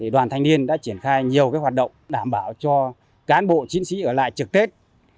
đoàn thanh niên đã triển khai nhiều hoạt động đảm bảo cho cán bộ chiến sĩ ở lại trực tết